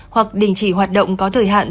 hoặc đình chỉ hoạt động có thời hạn